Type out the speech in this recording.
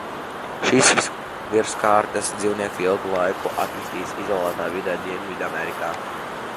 Šīs virskārtas dzīvnieki ilgu laiku attīstījās izolētā vidē Dienvidamerikā.